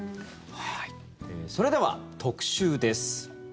それでは特集です。